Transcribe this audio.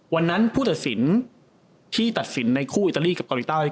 วันนั้นผู้ทัดสรินที่ตัดสินในคู่อิตาลี่ครับกับลิตา